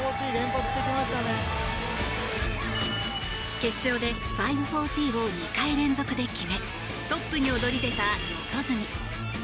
決勝で５４０を２回連続で決めトップに躍り出た四十住。